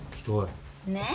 ねえ。